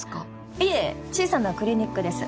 いえ小さなクリニックです。